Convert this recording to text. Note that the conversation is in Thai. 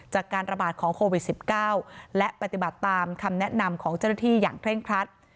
จากการระบาดของโควิด๑๙และปฏิบัติตามคำแนะนำของเจ้าหน้าที่อย่างเคร่งครัด